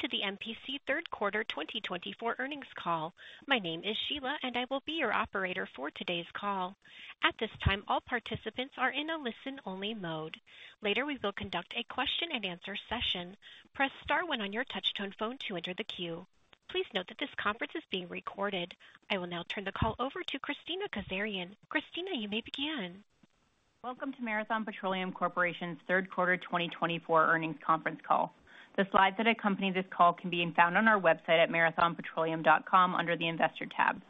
Welcome to the MPC third quarter 2024 earnings call. My name is Sheila, and I will be your operator for today's call. At this time, all participants are in a listen-only mode. Later, we will conduct a question-and-answer session. Press star one on your touch-tone phone to enter the queue. Please note that this conference is being recorded. I will now turn the call over to Kristina Kazarian. Kristina, you may begin. Welcome to Marathon Petroleum Corporation's third quarter 2024 earnings conference call. The slides that accompany this call can be found on our website at marathonpetroleum.com under the investor tab.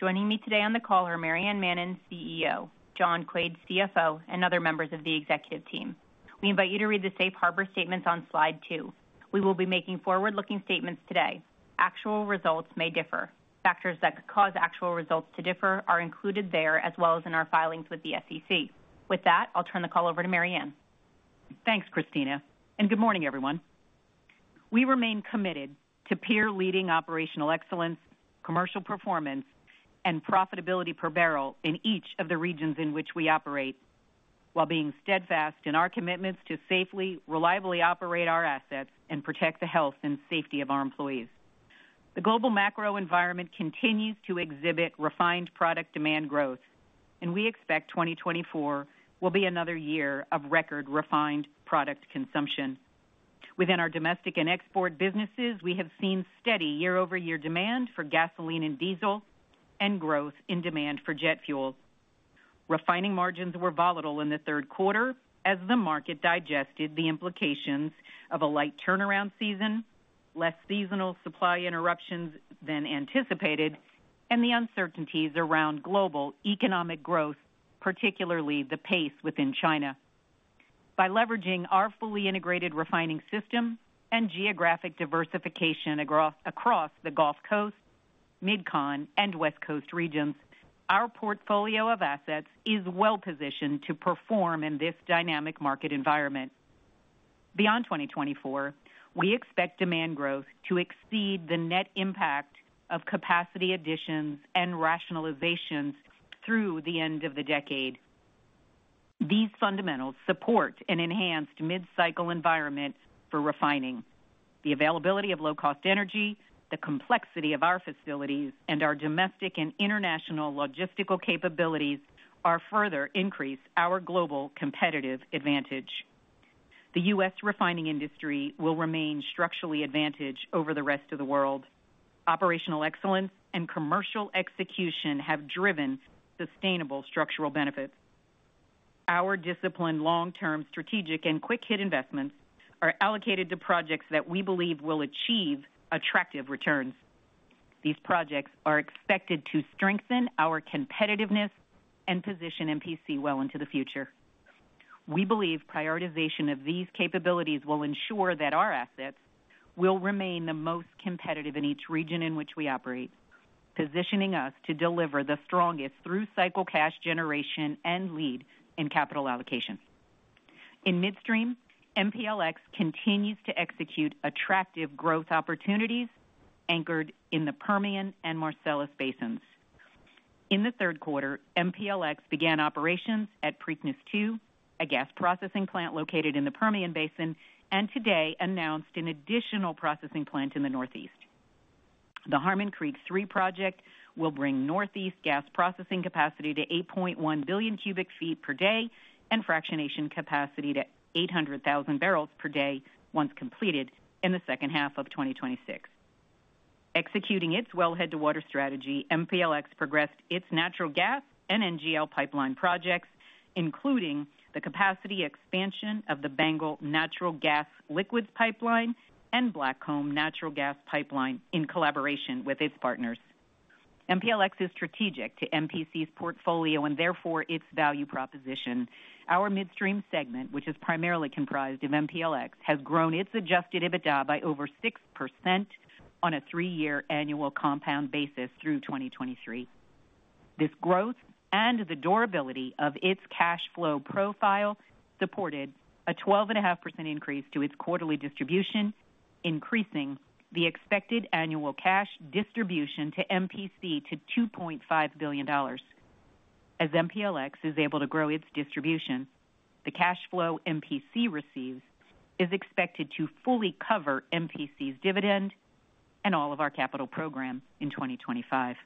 Joining me today on the call are Maryann Mannen, CEO; John Quaid, CFO; and other members of the executive team. We invite you to read the safe harbor statements on slide two. We will be making forward-looking statements today. Actual results may differ. Factors that could cause actual results to differ are included there as well as in our filings with the SEC. With that, I'll turn the call over to Maryann. Thanks, Kristina. Good morning, everyone. We remain committed to peer-leading operational excellence, commercial performance, and profitability per barrel in each of the regions in which we operate, while being steadfast in our commitments to safely, reliably operate our assets and protect the health and safety of our employees. The global macro environment continues to exhibit refined product demand growth, and we expect 2024 will be another year of record refined product consumption. Within our domestic and export businesses, we have seen steady year-over-year demand for gasoline and diesel and growth in demand for jet fuels. Refining margins were volatile in the third quarter as the market digested the implications of a light turnaround season, less seasonal supply interruptions than anticipated, and the uncertainties around global economic growth, particularly the pace within China. By leveraging our fully integrated refining system and geographic diversification across the Gulf Coast, Mid-Con, and West Coast regions, our portfolio of assets is well-positioned to perform in this dynamic market environment. Beyond 2024, we expect demand growth to exceed the net impact of capacity additions and rationalizations through the end of the decade. These fundamentals support an enhanced mid-cycle environment for refining. The availability of low-cost energy, the complexity of our facilities, and our domestic and international logistical capabilities are further to increase our global competitive advantage. The U.S. refining industry will remain structurally advantaged over the rest of the world. Operational excellence and commercial execution have driven sustainable structural benefits. Our disciplined long-term strategic and quick-hit investments are allocated to projects that we believe will achieve attractive returns. These projects are expected to strengthen our competitiveness and position MPC well into the future. We believe prioritization of these capabilities will ensure that our assets will remain the most competitive in each region in which we operate, positioning us to deliver the strongest through cycle cash generation and lead in capital allocation. In midstream, MPLX continues to execute attractive growth opportunities anchored in the Permian and Marcellus Basins. In the third quarter, MPLX began operations at Preakness II, a gas processing plant located in the Permian Basin, and today announced an additional processing plant in the Northeast. The Harmon Creek III project will bring Northeast gas processing capacity to 8.1 billion cubic feet per day and fractionation capacity to 800,000 barrels per day once completed in the second half of 2026. Executing its wellhead gathering strategy, MPLX progressed its natural gas and NGL pipeline projects, including the capacity expansion of the BANGL Natural Gas Liquids pipeline and Blackcomb Natural Gas pipeline in collaboration with its partners. MPLX is strategic to MPC's portfolio and therefore its value proposition. Our midstream segment, which is primarily comprised of MPLX, has grown its adjusted EBITDA by over 6% on a three-year annual compound basis through 2023. This growth and the durability of its cash flow profile supported a 12.5% increase to its quarterly distribution, increasing the expected annual cash distribution to MPC to $2.5 billion. As MPLX is able to grow its distribution, the cash flow MPC receives is expected to fully cover MPC's dividend and all of our capital program in 2025.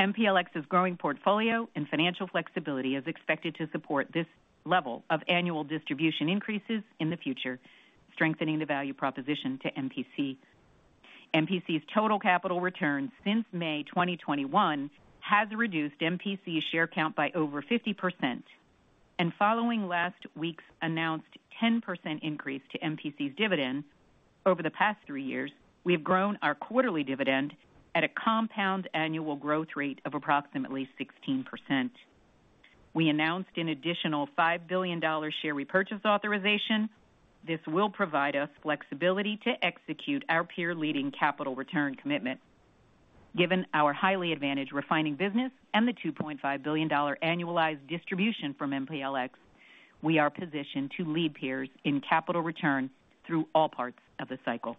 MPLX's growing portfolio and financial flexibility is expected to support this level of annual distribution increases in the future, strengthening the value proposition to MPC. MPC's total capital return since May 2021 has reduced MPC's share count by over 50%, and following last week's announced 10% increase to MPC's dividend over the past three years, we have grown our quarterly dividend at a compound annual growth rate of approximately 16%. We announced an additional $5 billion share repurchase authorization. This will provide us flexibility to execute our peer-leading capital return commitment. Given our highly advantaged refining business and the $2.5 billion annualized distribution from MPLX, we are positioned to lead peers in capital return through all parts of the cycle.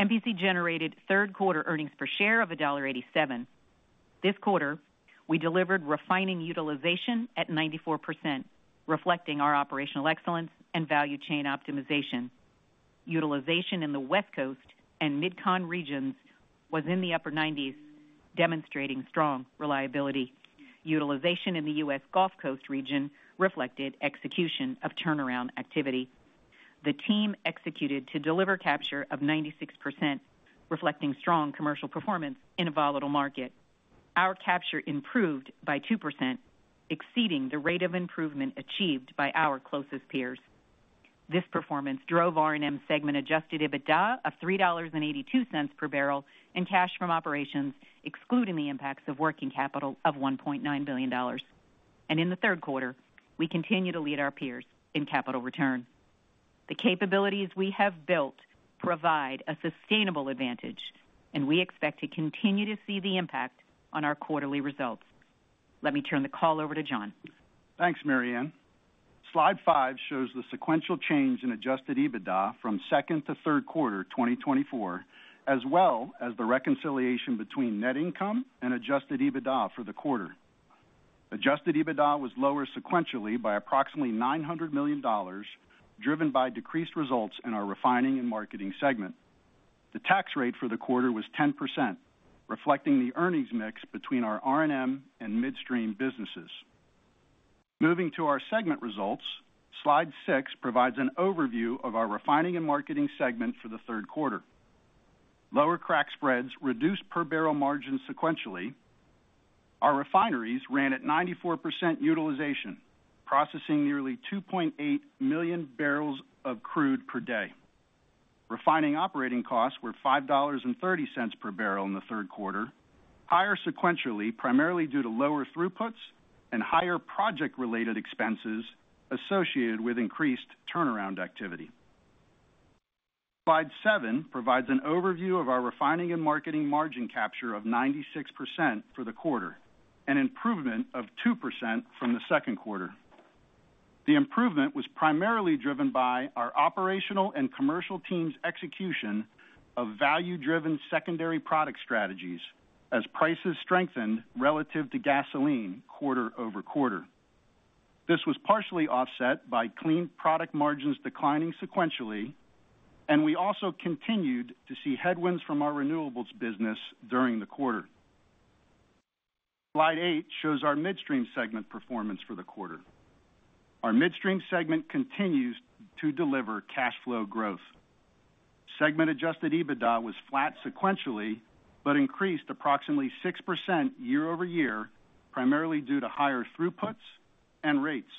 MPC generated third quarter earnings per share of $1.87. This quarter, we delivered refining utilization at 94%, reflecting our operational excellence and value chain optimization. Utilization in the West Coast and Mid-Con regions was in the upper 90s, demonstrating strong reliability. Utilization in the U.S. Gulf Coast region reflected execution of turnaround activity. The team executed to deliver capture of 96%, reflecting strong commercial performance in a volatile market. Our capture improved by 2%, exceeding the rate of improvement achieved by our closest peers. This performance drove R&M segment Adjusted EBITDA of $3.82 per barrel and cash from operations, excluding the impacts of working capital of $1.9 billion. And in the third quarter, we continue to lead our peers in capital return. The capabilities we have built provide a sustainable advantage, and we expect to continue to see the impact on our quarterly results. Let me turn the call over to John. Thanks, Maryann. Slide five shows the sequential change in adjusted EBITDA from second to third quarter 2024, as well as the reconciliation between net income and adjusted EBITDA for the quarter. Adjusted EBITDA was lower sequentially by approximately $900 million, driven by decreased results in our refining and marketing segment. The tax rate for the quarter was 10%, reflecting the earnings mix between our R&M and midstream businesses. Moving to our segment results, slide six provides an overview of our refining and marketing segment for the third quarter. Lower crack spreads reduced per barrel margin sequentially. Our refineries ran at 94% utilization, processing nearly 2.8 million barrels of crude per day. Refining operating costs were $5.30 per barrel in the third quarter, higher sequentially primarily due to lower throughputs and higher project-related expenses associated with increased turnaround activity. Slide seven provides an overview of our refining and marketing margin capture of 96% for the quarter, an improvement of 2% from the second quarter. The improvement was primarily driven by our operational and commercial team's execution of value-driven secondary product strategies as prices strengthened relative to gasoline quarter-over-quarter. This was partially offset by clean product margins declining sequentially, and we also continued to see headwinds from our renewables business during the quarter. Slide eight shows our midstream segment performance for the quarter. Our midstream segment continues to deliver cash flow growth. Segment adjusted EBITDA was flat sequentially but increased approximately 6% year-over-year, primarily due to higher throughputs and rates.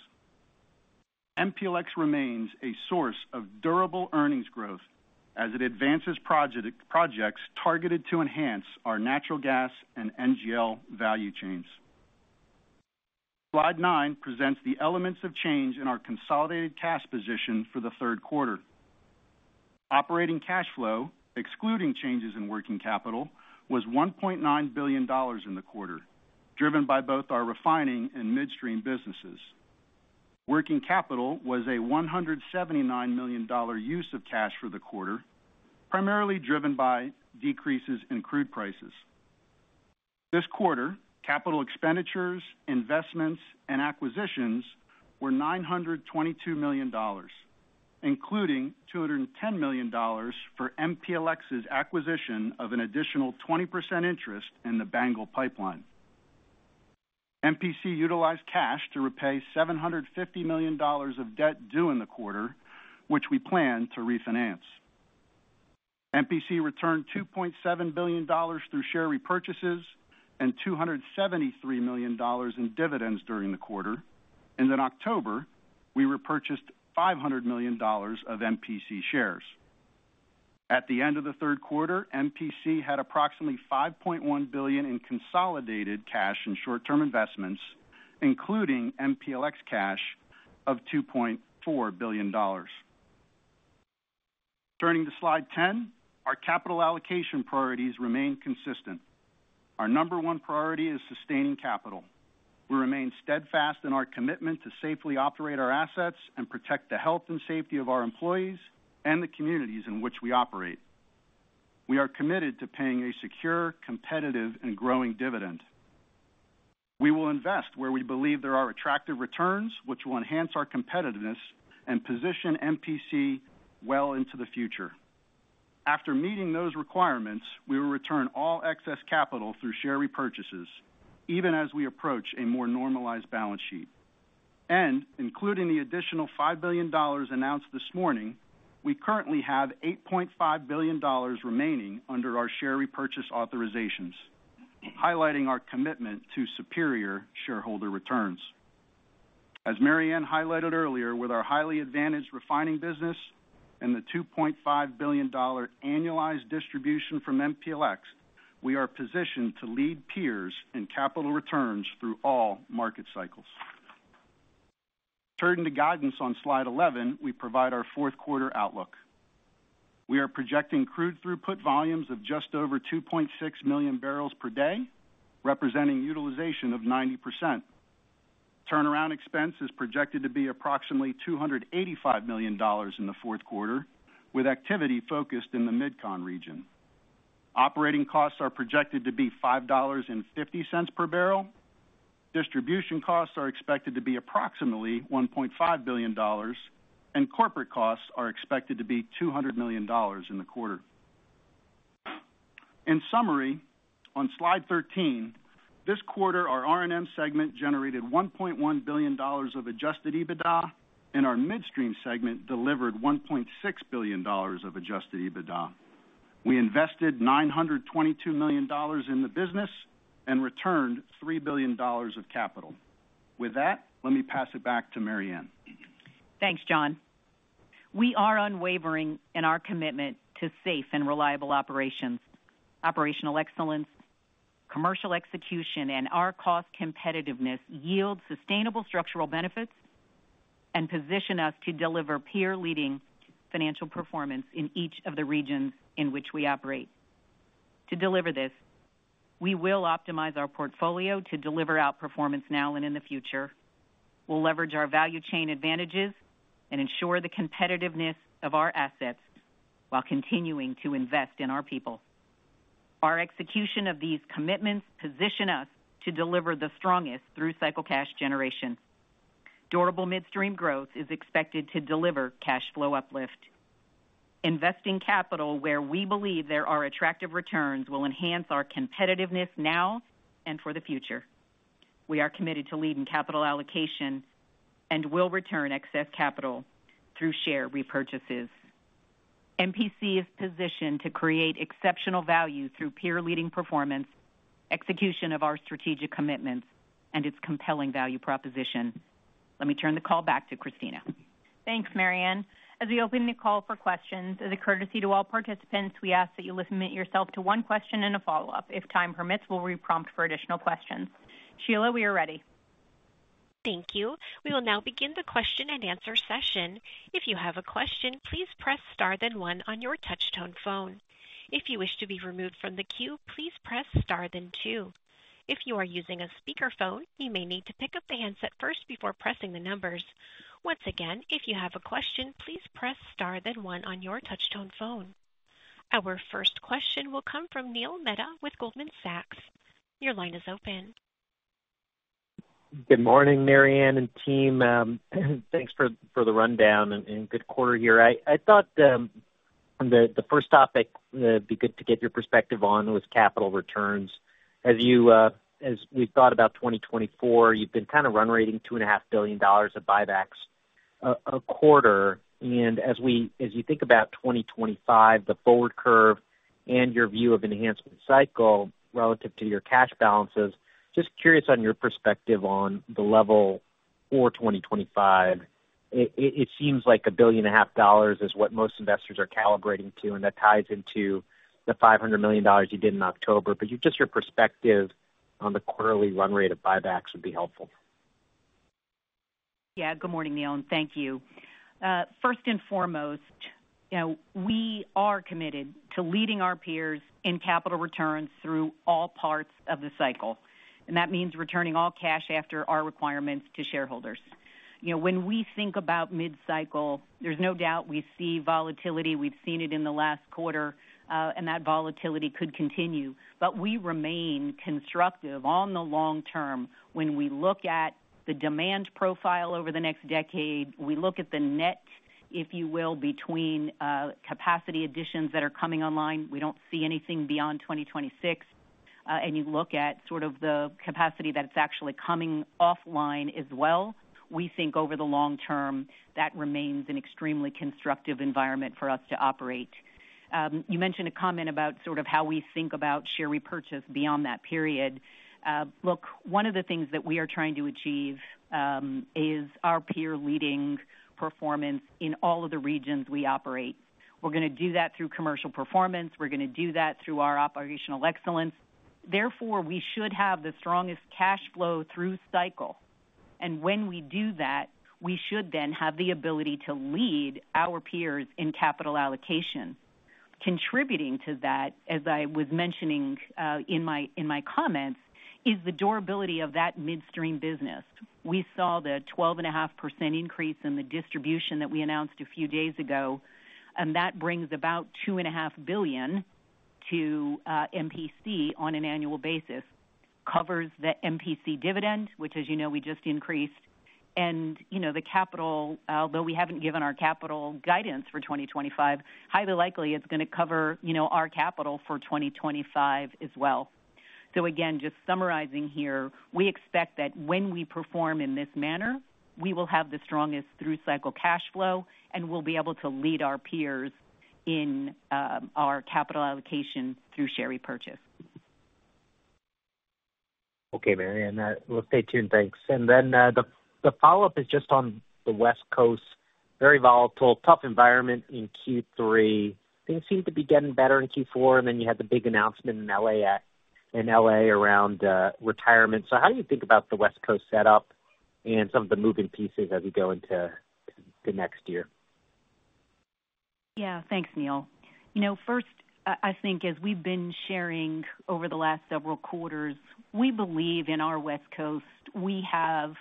MPLX remains a source of durable earnings growth as it advances projects targeted to enhance our natural gas and NGL value chains. Slide nine presents the elements of change in our consolidated cash position for the third quarter. Operating cash flow, excluding changes in working capital, was $1.9 billion in the quarter, driven by both our refining and midstream businesses. Working capital was a $179 million use of cash for the quarter, primarily driven by decreases in crude prices. This quarter, capital expenditures, investments, and acquisitions were $922 million, including $210 million for MPLX's acquisition of an additional 20% interest in the BANGL pipeline. MPC utilized cash to repay $750 million of debt due in the quarter, which we plan to refinance. MPC returned $2.7 billion through share repurchases and $273 million in dividends during the quarter. And in October, we repurchased $500 million of MPC shares. At the end of the third quarter, MPC had approximately $5.1 billion in consolidated cash and short-term investments, including MPLX cash of $2.4 billion. Turning to slide 10, our capital allocation priorities remain consistent. Our number one priority is sustaining capital. We remain steadfast in our commitment to safely operate our assets and protect the health and safety of our employees and the communities in which we operate. We are committed to paying a secure, competitive, and growing dividend. We will invest where we believe there are attractive returns, which will enhance our competitiveness and position MPC well into the future. After meeting those requirements, we will return all excess capital through share repurchases, even as we approach a more normalized balance sheet, and including the additional $5 billion announced this morning, we currently have $8.5 billion remaining under our share repurchase authorizations, highlighting our commitment to superior shareholder returns. As Maryann highlighted earlier, with our highly advantaged refining business and the $2.5 billion annualized distribution from MPLX, we are positioned to lead peers in capital returns through all market cycles. Turning to guidance on slide 11, we provide our fourth quarter outlook. We are projecting crude throughput volumes of just over 2.6 million barrels per day, representing utilization of 90%. Turnaround expense is projected to be approximately $285 million in the fourth quarter, with activity focused in the Mid-Con region. Operating costs are projected to be $5.50 per barrel. Distribution costs are expected to be approximately $1.5 billion, and corporate costs are expected to be $200 million in the quarter. In summary, on slide 13, this quarter, our R&M segment generated $1.1 billion of adjusted EBITDA, and our midstream segment delivered $1.6 billion of adjusted EBITDA. We invested $922 million in the business and returned $3 billion of capital. With that, let me pass it back to Maryann. Thanks, John. We are unwavering in our commitment to safe and reliable operations. Operational excellence, commercial execution, and our cost competitiveness yield sustainable structural benefits and position us to deliver peer-leading financial performance in each of the regions in which we operate. To deliver this, we will optimize our portfolio to deliver outperformance now and in the future. We'll leverage our value chain advantages and ensure the competitiveness of our assets while continuing to invest in our people. Our execution of these commitments positions us to deliver the strongest through cycle cash generation. Durable midstream growth is expected to deliver cash flow uplift. Investing capital where we believe there are attractive returns will enhance our competitiveness now and for the future. We are committed to leading capital allocation and will return excess capital through share repurchases. MPC is positioned to create exceptional value through peer-leading performance, execution of our strategic commitments, and its compelling value proposition. Let me turn the call back to Kristina. Thanks, Maryann. As we open the call for questions, as a courtesy to all participants, we ask that you limit yourself to one question and a follow-up. If time permits, we'll reprompt for additional questions. Sheila, we are ready. Thank you. We will now begin the question and answer session. If you have a question, please press star then one on your touchtone phone. If you wish to be removed from the queue, please press star then two. If you are using a speakerphone, you may need to pick up the handset first before pressing the numbers. Once again, if you have a question, please press star then one on your touchtone phone. Our first question will come from Neil Mehta with Goldman Sachs. Your line is open. Good morning, Maryann and team. Thanks for the rundown and good quarter here. I thought the first topic it'd be good to get your perspective on was capital returns. As we've thought about 2024, you've been kind of run rating $2.5 billion of buybacks a quarter. As you think about 2025, the forward curve and your view of enhancement cycle relative to your cash balances, just curious on your perspective on the level for 2025. It seems like $1.5 billion is what most investors are calibrating to, and that ties into the $500 million you did in October. Just your perspective on the quarterly run rate of buybacks would be helpful. Yeah. Good morning, Neil, and thank you. First and foremost, we are committed to leading our peers in capital returns through all parts of the cycle, and that means returning all cash after our requirements to shareholders. When we think about midcycle, there's no doubt we see volatility. We've seen it in the last quarter, and that volatility could continue, but we remain constructive on the long term. When we look at the demand profile over the next decade, we look at the net, if you will, between capacity additions that are coming online. We don't see anything beyond 2026, and you look at sort of the capacity that's actually coming offline as well, we think over the long term that remains an extremely constructive environment for us to operate. You mentioned a comment about sort of how we think about share repurchase beyond that period. Look, one of the things that we are trying to achieve is our peer-leading performance in all of the regions we operate. We're going to do that through commercial performance. We're going to do that through our operational excellence. Therefore, we should have the strongest cash flow through cycle, and when we do that, we should then have the ability to lead our peers in capital allocation. Contributing to that, as I was mentioning in my comments, is the durability of that midstream business. We saw the 12.5% increase in the distribution that we announced a few days ago, and that brings about $2.5 billion to MPC on an annual basis, covers the MPC dividend, which, as you know, we just increased, and the capital, although we haven't given our capital guidance for 2025, highly likely it's going to cover our capital for 2025 as well. So again, just summarizing here, we expect that when we perform in this manner, we will have the strongest through cycle cash flow, and we'll be able to lead our peers in our capital allocation through share repurchase. Okay, Maryann. We'll stay tuned. Thanks. And then the follow-up is just on the West Coast, very volatile, tough environment in Q3. Things seem to be getting better in Q4, and then you had the big announcement in LA around retirement. So how do you think about the West Coast setup and some of the moving pieces as we go into the next year? Yeah. Thanks, Neil. First, I think as we've been sharing over the last several quarters, we believe in our West Coast, we have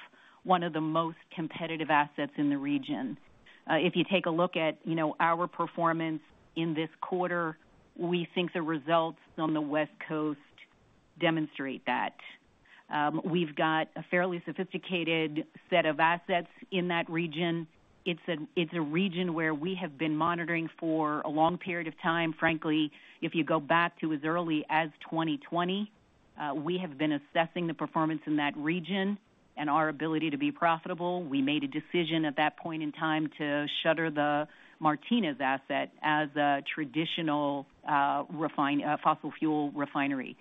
one of the most competitive assets in the region. If you take a look at our performance in this quarter, we think the results on the West Coast demonstrate that. We've got a fairly sophisticated set of assets in that region. It's a region where we have been monitoring for a long period of time. Frankly, if you go back to as early as 2020, we have been assessing the performance in that region and our ability to be profitable. We made a decision at that point in time to shutter the Martinez asset as a traditional fossil fuel refinery.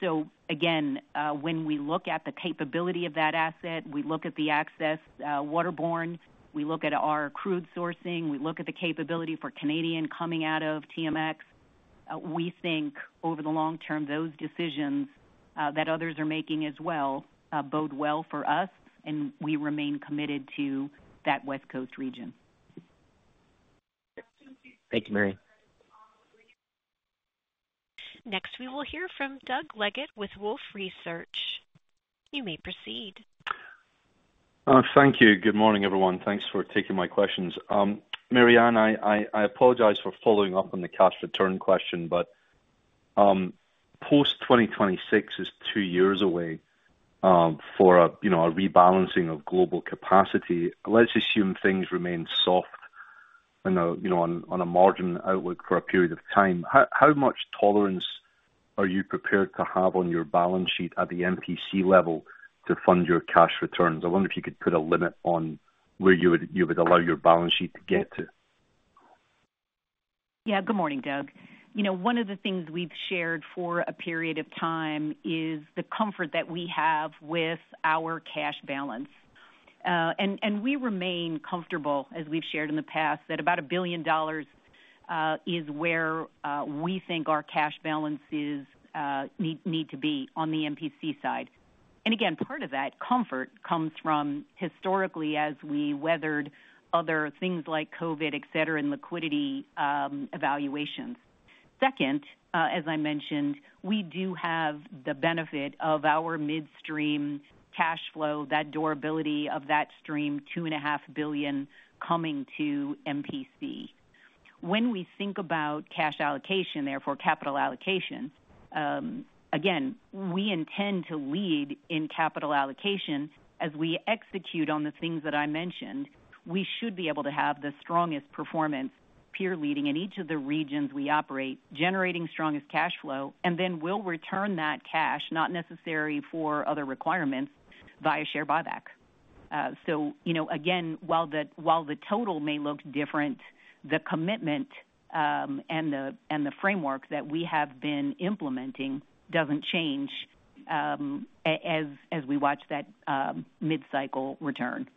So again, when we look at the capability of that asset, we look at the access, waterborne. We look at our crude sourcing. We look at the capability for Canadian coming out of TMX. We think over the long term, those decisions that others are making as well bode well for us, and we remain committed to that West Coast region. Thank you, Maryann. Next, we will hear from Doug Leggate with Wolfe Research. You may proceed. Thank you. Good morning, everyone. Thanks for taking my questions. Maryann, I apologize for following up on the cash return question, but post-2026 is two years away for a rebalancing of global capacity. Let's assume things remain soft on a margin outlook for a period of time. How much tolerance are you prepared to have on your balance sheet at the MPC level to fund your cash returns? I wonder if you could put a limit on where you would allow your balance sheet to get to. Yeah. Good morning, Doug. One of the things we've shared for a period of time is the comfort that we have with our cash balance. And we remain comfortable, as we've shared in the past, that about $1 billion is where we think our cash balances need to be on the MPC side. And again, part of that comfort comes from historically as we weathered other things like COVID, etc., and liquidity evaluations. Second, as I mentioned, we do have the benefit of our midstream cash flow, that durability of that stream, $2.5 billion coming to MPC. When we think about cash allocation, therefore capital allocation, again, we intend to lead in capital allocation. As we execute on the things that I mentioned, we should be able to have the strongest performance, peer-leading in each of the regions we operate, generating strongest cash flow, and then we'll return that cash, not necessary for other requirements, via share buyback. So again, while the total may look different, the commitment and the framework that we have been implementing doesn't change as we watch that midcycle return.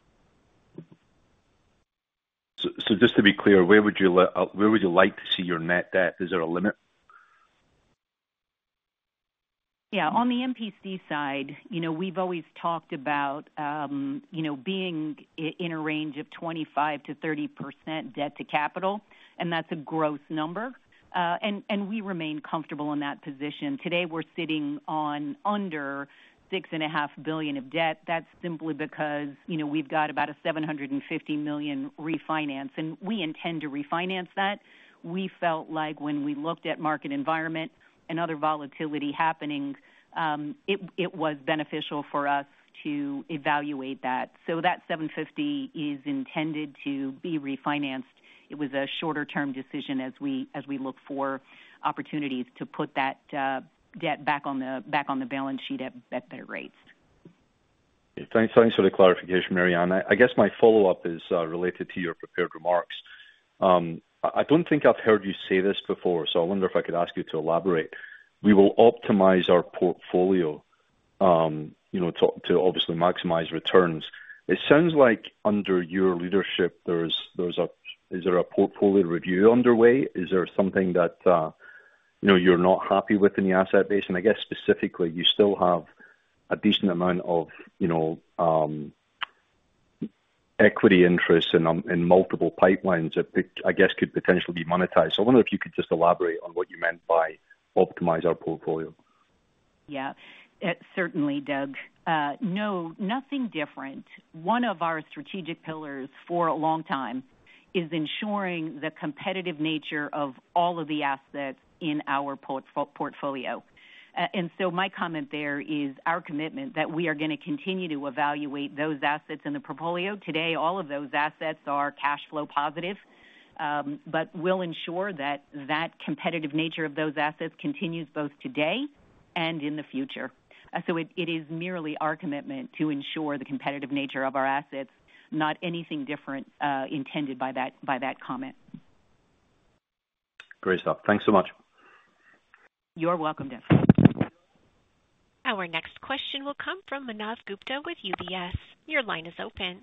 So just to be clear, where would you like to see your net debt? Is there a limit? Yeah. On the MPC side, we've always talked about being in a range of 25%-30% debt to capital, and that's a gross number, and we remain comfortable in that position. Today, we're sitting on under $6.5 billion of debt. That's simply because we've got about a $750 million refinance, and we intend to refinance that. We felt like when we looked at market environment and other volatility happening, it was beneficial for us to evaluate that, so that $750 million is intended to be refinanced. It was a shorter-term decision as we look for opportunities to put that debt back on the balance sheet at better rates. Thanks for the clarification, Maryann. I guess my follow-up is related to your prepared remarks. I don't think I've heard you say this before, so I wonder if I could ask you to elaborate. We will optimize our portfolio to obviously maximize returns. It sounds like under your leadership, is there a portfolio review underway? Is there something that you're not happy with in the asset base? And I guess specifically, you still have a decent amount of equity interests in multiple pipelines that I guess could potentially be monetized. So I wonder if you could just elaborate on what you meant by optimize our portfolio. Yeah. Certainly, Doug. No, nothing different. One of our strategic pillars for a long time is ensuring the competitive nature of all of the assets in our portfolio, and so my comment there is our commitment that we are going to continue to evaluate those assets in the portfolio. Today, all of those assets are cash flow positive, but we'll ensure that that competitive nature of those assets continues both today and in the future, so it is merely our commitment to ensure the competitive nature of our assets, not anything different intended by that comment. Great stuff. Thanks so much. You're welcome, Doug. Our next question will come from Manav Gupta with UBS. Your line is open.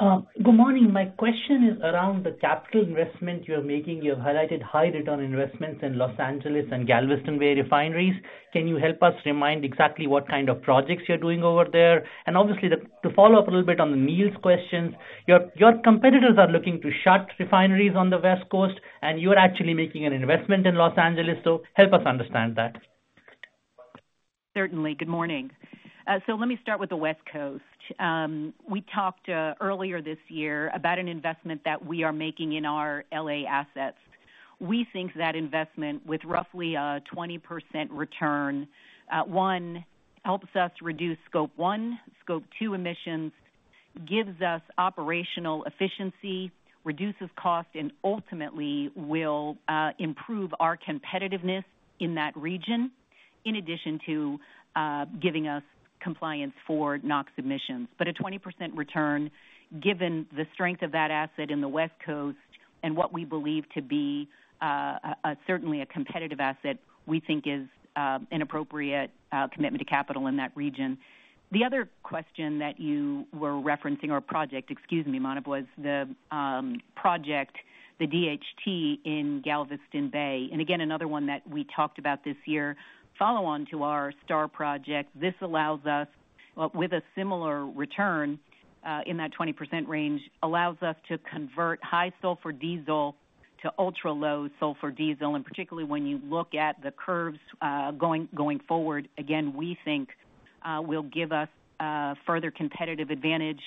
Good morning. My question is around the capital investment you're making. You've highlighted high return investments in Los Angeles and Galveston Bay refineries. Can you help us remind exactly what kind of projects you're doing over there, and obviously, to follow up a little bit on Neil's questions, your competitors are looking to shut refineries on the West Coast, and you're actually making an investment in Los Angeles, so help us understand that. Certainly. Good morning. So let me start with the West Coast. We talked earlier this year about an investment that we are making in our LA assets. We think that investment with roughly a 20% return, one, helps us reduce Scope 1, Scope 2 emissions, gives us operational efficiency, reduces cost, and ultimately will improve our competitiveness in that region, in addition to giving us compliance for NOx emissions. But a 20% return, given the strength of that asset in the West Coast and what we believe to be certainly a competitive asset, we think is an appropriate commitment to capital in that region. The other question that you were referencing, or project, excuse me, Manav, was the project, the DHT in Galveston Bay. And again, another one that we talked about this year, follow on to our STAR project. This allows us, with a similar return in that 20% range, allows us to convert high sulfur diesel to ultra-low sulfur diesel, and particularly when you look at the curves going forward, again, we think will give us further competitive advantage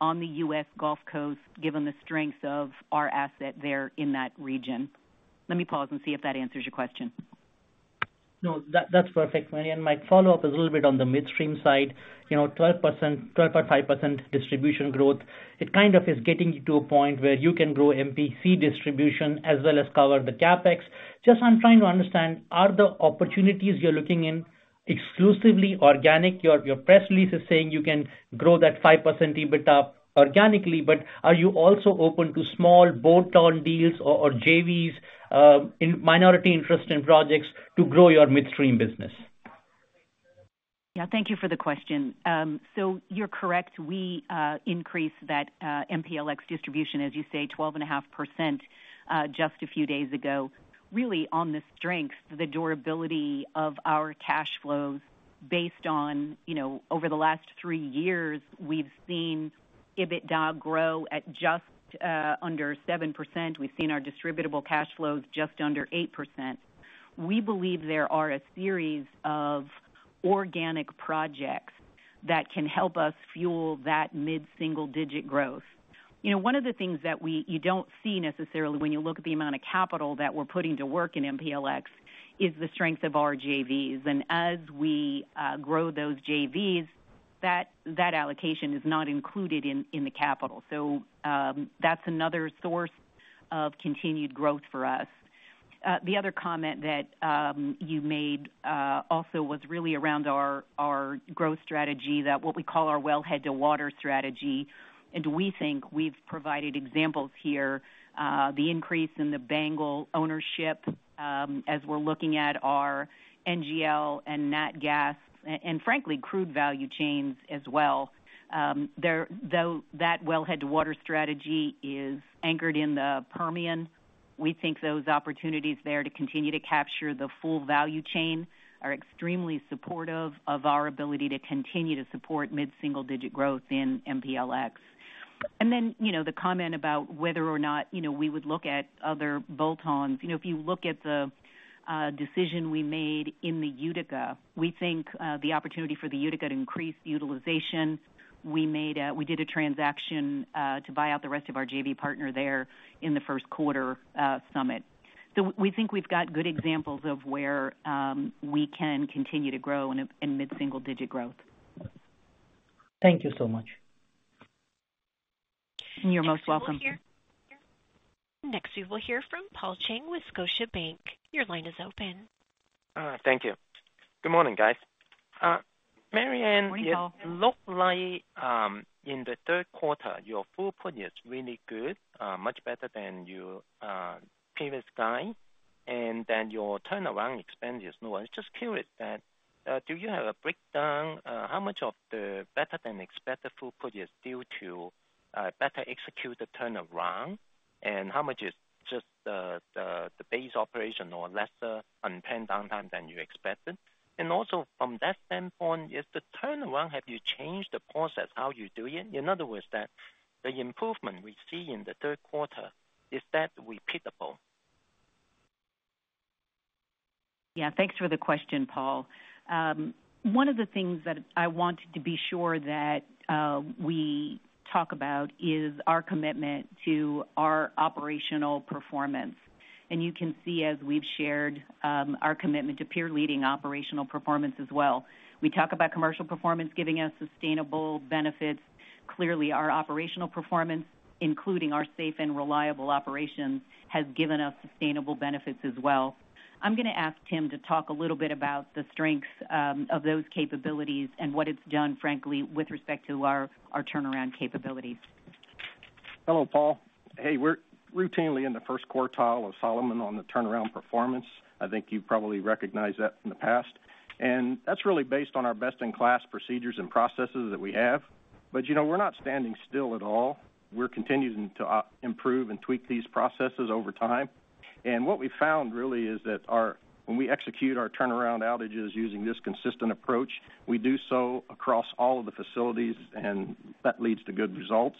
on the U.S. Gulf Coast, given the strength of our asset there in that region. Let me pause and see if that answers your question. No, that's perfect, Maryann. My follow-up is a little bit on the midstream side. 12.5% distribution growth, it kind of is getting you to a point where you can grow MPC distribution as well as cover the CapEx. Just, I'm trying to understand, are the opportunities you're looking into exclusively organic? Your press release is saying you can grow that 5% EBITDA organically, but are you also open to small bolt-on deals or JVs, minority interest in projects to grow your midstream business? Yeah. Thank you for the question. So you're correct. We increased that MPLX distribution, as you say, 12.5% just a few days ago. Really, on the strength, the durability of our cash flows based on over the last three years, we've seen EBITDA grow at just under 7%. We've seen our distributable cash flows just under 8%. We believe there are a series of organic projects that can help us fuel that mid-single-digit growth. One of the things that you don't see necessarily when you look at the amount of capital that we're putting to work in MPLX is the strength of our JVs. And as we grow those JVs, that allocation is not included in the capital. So that's another source of continued growth for us. The other comment that you made also was really around our growth strategy, that what we call our wellhead to water strategy. We think we've provided examples here, the increase in the BANGL ownership as we're looking at our NGL and NatGas, and frankly, crude value chains as well. Though that wellhead to water strategy is anchored in the Permian, we think those opportunities there to continue to capture the full value chain are extremely supportive of our ability to continue to support mid-single-digit growth in MPLX. The comment about whether or not we would look at other bolt-ons. If you look at the decision we made in the Utica, we think the opportunity for the Utica to increase utilization. We did a transaction to buy out the rest of our JV partner there in the first quarter Summit. We think we've got good examples of where we can continue to grow in mid-single-digit growth. Thank you so much. You're most welcome. Next, we will hear from Paul Cheng with Scotiabank. Your line is open. Thank you. Good morning, guys. Maryann. Morning, Paul. Looks like in the third quarter, your throughput is really good, much better than your previous quarter. And then your turnaround expense is lower. I'm just curious, do you have a breakdown? How much of the better than expected throughput is due to better executed turnaround? And how much is just the base operation or lesser unplanned downtime than you expected? And also from that standpoint, is the turnaround, have you changed the process, how you do it? In other words, that the improvement we see in the third quarter, is that repeatable? Yeah. Thanks for the question, Paul. One of the things that I want to be sure that we talk about is our commitment to our operational performance, and you can see, as we've shared, our commitment to peer-leading operational performance as well. We talk about commercial performance giving us sustainable benefits. Clearly, our operational performance, including our safe and reliable operations, has given us sustainable benefits as well. I'm going to ask Tim to talk a little bit about the strengths of those capabilities and what it's done, frankly, with respect to our turnaround capabilities. Hello, Paul. Hey, we're routinely in the first quartile of Solomon on the turnaround performance. I think you've probably recognized that in the past, and that's really based on our best-in-class procedures and processes that we have, but we're not standing still at all. We're continuing to improve and tweak these processes over time, and what we found really is that when we execute our turnaround outages using this consistent approach, we do so across all of the facilities, and that leads to good results.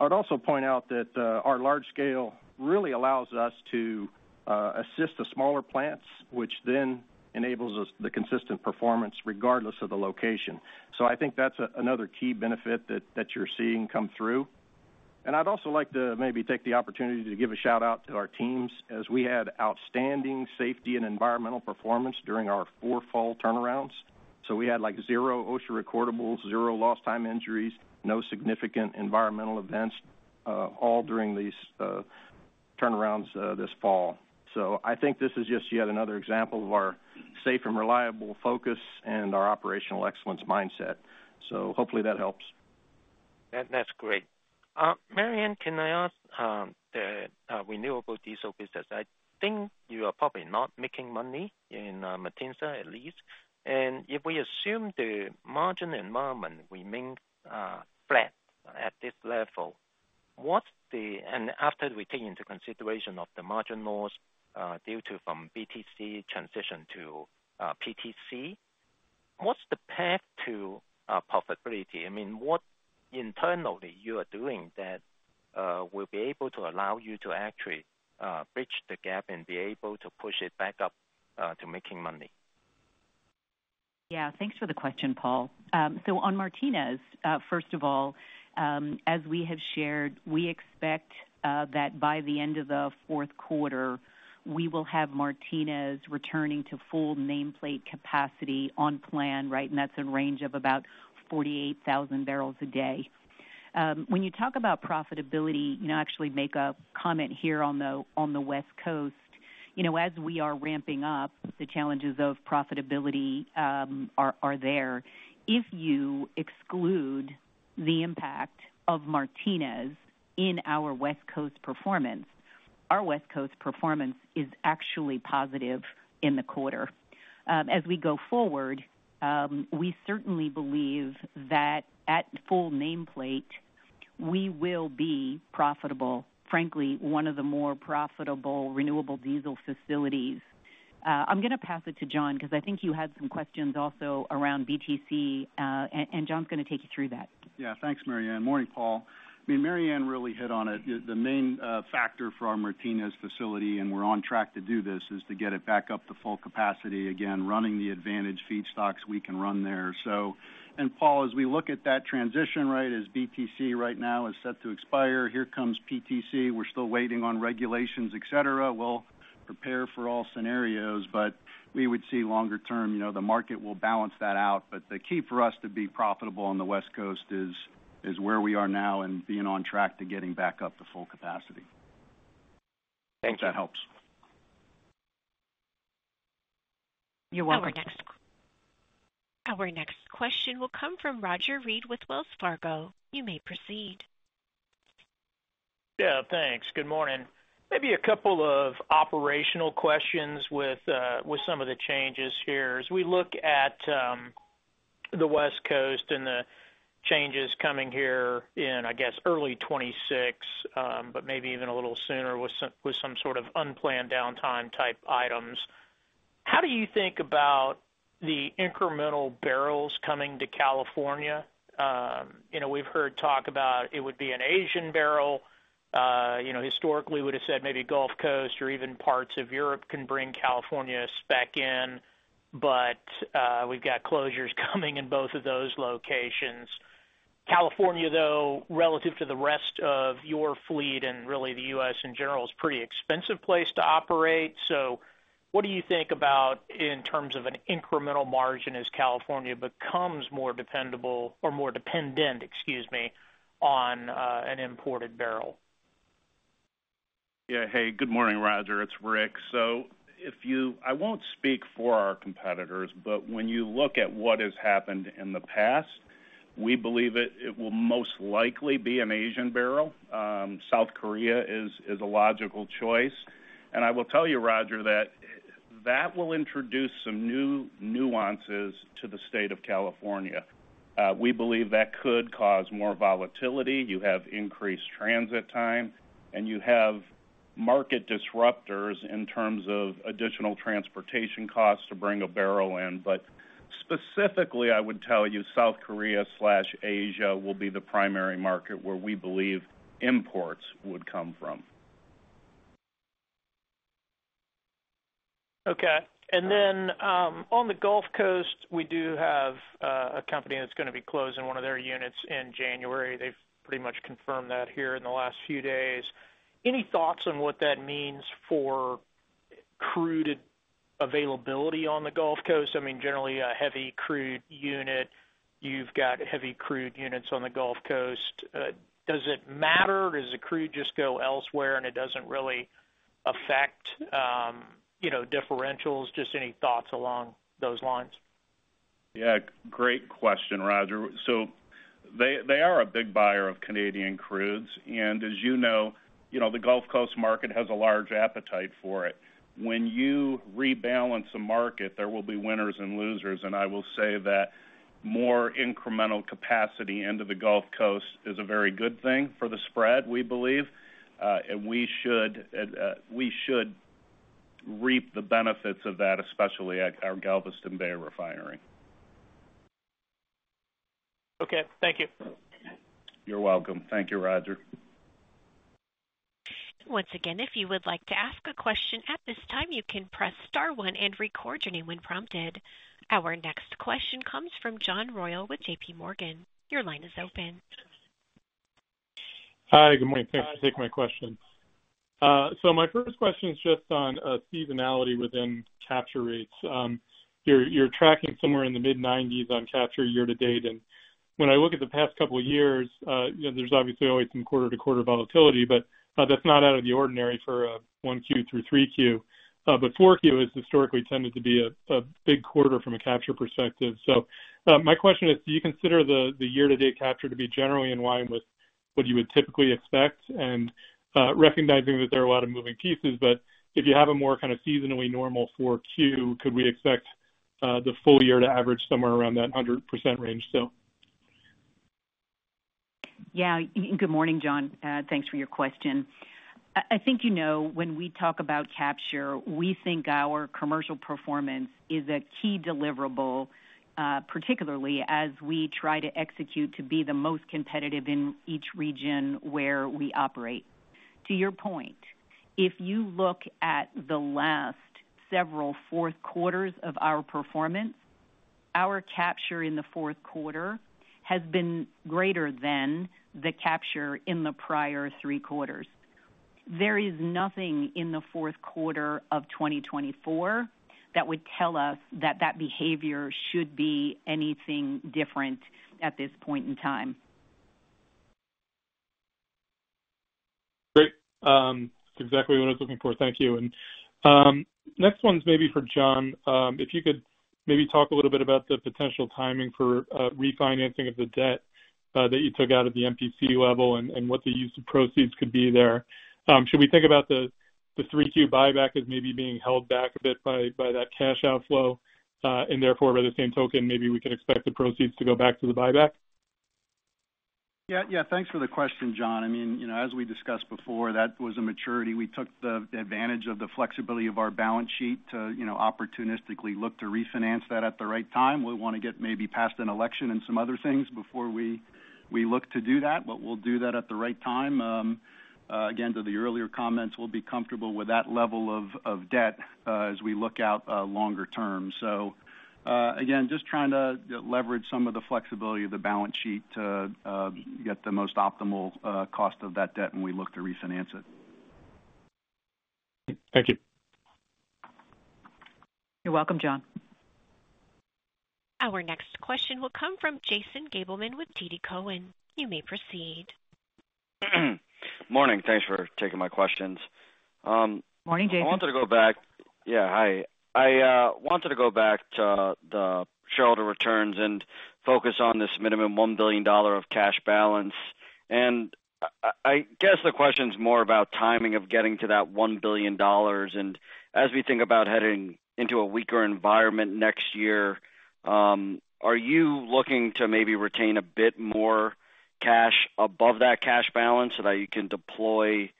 I'd also point out that our large scale really allows us to assist the smaller plants, which then enables us the consistent performance regardless of the location, so I think that's another key benefit that you're seeing come through. I’d also like to maybe take the opportunity to give a shout-out to our teams, as we had outstanding safety and environmental performance during our four fall turnarounds. We had like zero OSHA recordables, zero lost time injuries, no significant environmental events, all during these turnarounds this fall. I think this is just yet another example of our safe and reliable focus and our operational excellence mindset. Hopefully that helps. That's great. Maryann, can I ask the renewable diesel business? I think you are probably not making money in Martinez at least. And if we assume the margin environment remains flat at this level, what's the—and after we take into consideration of the margin loss due to from BTC transition to PTC, what's the path to profitability? I mean, what internally you are doing that will be able to allow you to actually bridge the gap and be able to push it back up to making money? Yeah. Thanks for the question, Paul. So on Martinez, first of all, as we have shared, we expect that by the end of the fourth quarter, we will have Martinez returning to full nameplate capacity on plan, right? And that's a range of about 48,000 barrels a day. When you talk about profitability, actually make a comment here on the West Coast. As we are ramping up, the challenges of profitability are there. If you exclude the impact of Martinez in our West Coast performance, our West Coast performance is actually positive in the quarter. As we go forward, we certainly believe that at full nameplate, we will be profitable, frankly, one of the more profitable renewable diesel facilities. I'm going to pass it to John because I think you had some questions also around BTC, and John's going to take you through that. Yeah. Thanks, Maryann. Morning, Paul. I mean, Maryann really hit on it. The main factor for our Martinez facility, and we're on track to do this, is to get it back up to full capacity, again, running the advantage feedstocks we can run there. And Paul, as we look at that transition, right, as BTC right now is set to expire, here comes PTC. We're still waiting on regulations, etc. We'll prepare for all scenarios, but we would see longer term, the market will balance that out. But the key for us to be profitable on the West Coast is where we are now and being on track to getting back up to full capacity. Thank you. That helps. You're welcome. Our next question will come from Roger Read with Wells Fargo. You may proceed. Yeah. Thanks. Good morning. Maybe a couple of operational questions with some of the changes here. As we look at the West Coast and the changes coming here in, I guess, early 2026, but maybe even a little sooner with some sort of unplanned downtime type items, how do you think about the incremental barrels coming to California? We've heard talk about it would be an Asian barrel. Historically, we would have said maybe Gulf Coast or even parts of Europe can bring California spec in, but we've got closures coming in both of those locations. California, though, relative to the rest of your fleet and really the U.S. in general, is a pretty expensive place to operate. So what do you think about in terms of an incremental margin as California becomes more dependable or more dependent, excuse me, on an imported barrel? Yeah. Hey, good morning, Roger. It's Rick. So I won't speak for our competitors, but when you look at what has happened in the past, we believe it will most likely be an Asian barrel. South Korea is a logical choice. And I will tell you, Roger, that that will introduce some new nuances to the state of California. We believe that could cause more volatility. You have increased transit time, and you have market disruptors in terms of additional transportation costs to bring a barrel in. But specifically, I would tell you South Korea/Asia will be the primary market where we believe imports would come from. Okay. And then on the Gulf Coast, we do have a company that's going to be closing one of their units in January. They've pretty much confirmed that here in the last few days. Any thoughts on what that means for crude availability on the Gulf Coast? I mean, generally, a heavy crude unit, you've got heavy crude units on the Gulf Coast. Does it matter? Does the crude just go elsewhere and it doesn't really affect differentials? Just any thoughts along those lines? Yeah. Great question, Roger. So they are a big buyer of Canadian crudes. And as you know, the Gulf Coast market has a large appetite for it. When you rebalance a market, there will be winners and losers. And I will say that more incremental capacity into the Gulf Coast is a very good thing for the spread, we believe. And we should reap the benefits of that, especially at our Galveston Bay refinery. Okay. Thank you. You're welcome. Thank you, Roger. Once again, if you would like to ask a question at this time, you can press star one and record your name when prompted. Our next question comes from John Royall with J.P. Morgan. Your line is open. Hi. Good morning. Thanks for taking my question, so my first question is just on seasonality within capture rates. You're tracking somewhere in the mid-90s on capture year to date. And when I look at the past couple of years, there's obviously always some quarter-to-quarter volatility, but that's not out of the ordinary for 1Q through 3Q, but 4Q has historically tended to be a big quarter from a capture perspective, so my question is, do you consider the year-to-date capture to be generally in line with what you would typically expect? And recognizing that there are a lot of moving pieces, but if you have a more kind of seasonally normal 4Q, could we expect the full year to average somewhere around that 100% range still? Yeah. Good morning, John. Thanks for your question. I think when we talk about capture, we think our commercial performance is a key deliverable, particularly as we try to execute to be the most competitive in each region where we operate. To your point, if you look at the last several fourth quarters of our performance, our capture in the fourth quarter has been greater than the capture in the prior three quarters. There is nothing in the fourth quarter of 2024 that would tell us that that behavior should be anything different at this point in time. Great. That's exactly what I was looking for. Thank you. And next one's maybe for John. If you could maybe talk a little bit about the potential timing for refinancing of the debt that you took out of the MPC level and what the use of proceeds could be there? Should we think about the 3Q buyback as maybe being held back a bit by that cash outflow? And therefore, by the same token, maybe we can expect the proceeds to go back to the buyback? Yeah. Yeah. Thanks for the question, John. I mean, as we discussed before, that was a maturity. We took the advantage of the flexibility of our balance sheet to opportunistically look to refinance that at the right time. We want to get maybe past an election and some other things before we look to do that, but we'll do that at the right time. Again, to the earlier comments, we'll be comfortable with that level of debt as we look out longer term. So again, just trying to leverage some of the flexibility of the balance sheet to get the most optimal cost of that debt when we look to refinance it. Thank you. You're welcome, John. Our next question will come from Jason Gabelman with TD Cowen. You may proceed. Morning. Thanks for taking my questions. Morning, Jason. I wanted to go back. Yeah. Hi. I wanted to go back to the shareholder returns and focus on this minimum $1 billion of cash balance. And I guess the question's more about timing of getting to that $1 billion. And as we think about heading into a weaker environment next year, are you looking to maybe retain a bit more cash above that cash balance so that you can deploy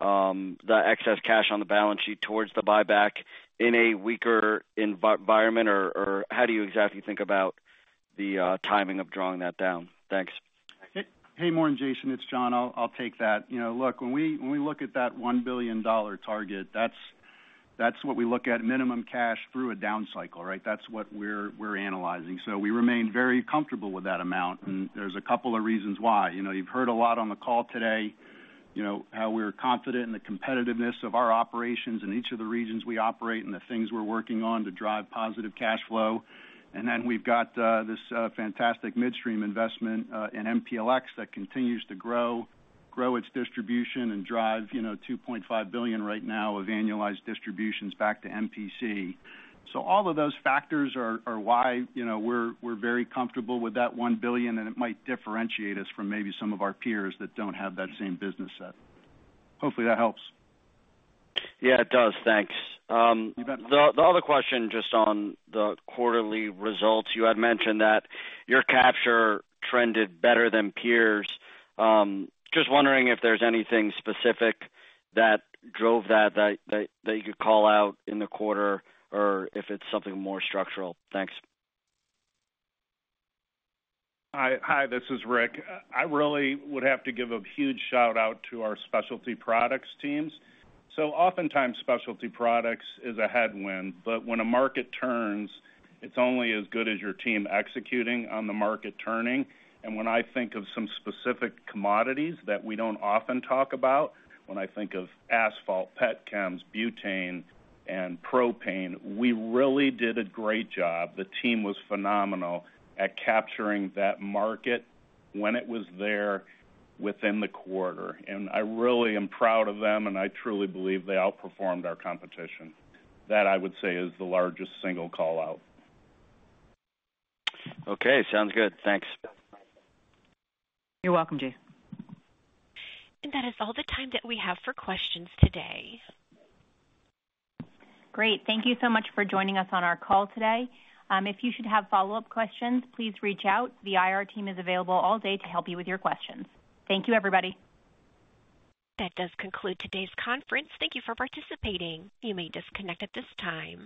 the excess cash on the balance sheet towards the buyback in a weaker environment? Or how do you exactly think about the timing of drawing that down? Thanks. Hey, morning, Jason. It's John. I'll take that. Look, when we look at that $1 billion target, that's what we look at minimum cash through a down cycle, right? That's what we're analyzing. So we remain very comfortable with that amount, and there's a couple of reasons why. You've heard a lot on the call today how we're confident in the competitiveness of our operations in each of the regions we operate and the things we're working on to drive positive cash flow, and then we've got this fantastic midstream investment in MPLX that continues to grow its distribution and drive $2.5 billion right now of annualized distributions back to MPC, so all of those factors are why we're very comfortable with that $1 billion, and it might differentiate us from maybe some of our peers that don't have that same business set. Hopefully, that helps. Yeah, it does. Thanks. You bet. The other question just on the quarterly results, you had mentioned that your capture trended better than peers. Just wondering if there's anything specific that drove that that you could call out in the quarter or if it's something more structural? Thanks. Hi. Hi, this is Rick. I really would have to give a huge shout-out to our specialty products teams. So oftentimes, specialty products is a headwind, but when a market turns, it's only as good as your team executing on the market turning. And when I think of some specific commodities that we don't often talk about, when I think of asphalt, petchems, butane, and propane, we really did a great job. The team was phenomenal at capturing that market when it was there within the quarter. And I really am proud of them, and I truly believe they outperformed our competition. That, I would say, is the largest single call-out. Okay. Sounds good. Thanks. You're welcome, Jason. That is all the time that we have for questions today. Great. Thank you so much for joining us on our call today. If you should have follow-up questions, please reach out. The IR team is available all day to help you with your questions. Thank you, everybody. That does conclude today's conference. Thank you for participating. You may disconnect at this time.